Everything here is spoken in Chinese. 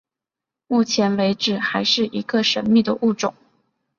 目前为止还是一个神秘的物种。